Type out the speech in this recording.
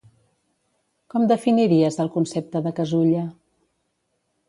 Com definiries el concepte de casulla?